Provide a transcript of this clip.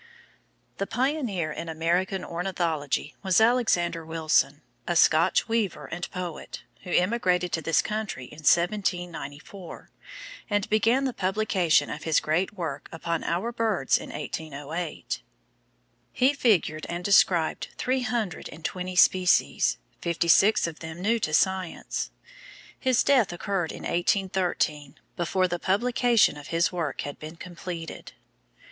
The pioneer in American ornithology was Alexander Wilson, a Scotch weaver and poet, who emigrated to this country in 1794, and began the publication of his great work upon our birds in 1808. He figured and described three hundred and twenty species, fifty six of them new to science. His death occurred in 1813, before the publication of his work had been completed.